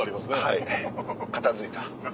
はい片付いた。